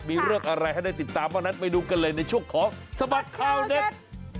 มีเรื่องอะไรให้ได้ติดตามบ้างนั้นไปดูกันเลยในช่วงของสบัดข่าวเด็ด